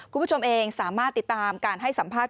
คุณผู้ชมเองสามารถติดตามการให้สัมภาษณ์